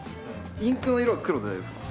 インクの色は黒で大丈夫ですか？